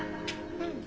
うん。